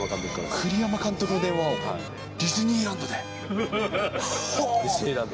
栗山監督の電話をディズニーディズニーランドで。